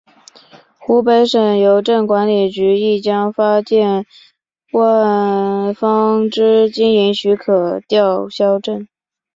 湖北省邮政管理局亦将发件方之经营许可证吊销。